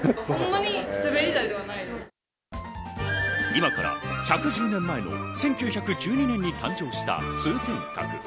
今から１１０年前の１９１２年に誕生した通天閣。